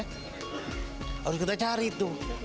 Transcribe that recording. harus kita cari tuh